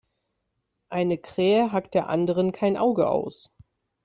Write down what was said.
Eine Krähe hackt der anderen kein Auge aus.